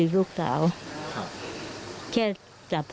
ลูกสาวกันโตเข้าไปทำงานแล้ว